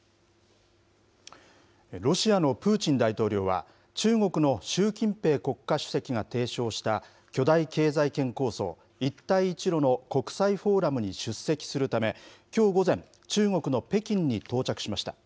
ロシアのプーチン大統領は、中国の習近平国家主席が提唱した巨大経済圏構想、一帯一路の国際フォーラムに出席するため、きょう午前、中国の北京に到着しました。